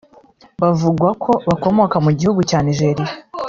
bivugwako bakomoka mu gihugu cya Nigeria